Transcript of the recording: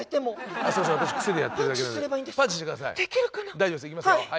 大丈夫ですいきますよ。